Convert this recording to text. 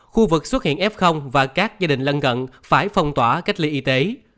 khu vực xuất hiện f và các gia đình lân cận phải phong tỏa cách ly y tế